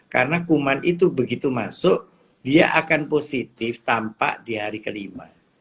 karena kuman itu begitu masuk dia akan positif tanpa di hari kelima